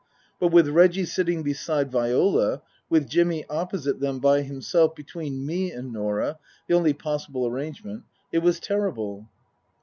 But with Reggie sitting beside Viola, with Jimmy opposite them by himself between me and Norah (the only possible arrangement) it was terrible.